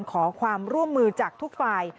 ขอความร่วมมือจากทุกฝ่าย